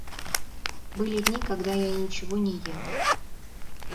Были дни, когда я ничего не ел.